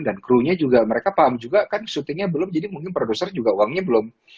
dan crewnya juga mereka paham juga kan syutingnya belum jadi mungkin produser juga uangnya belum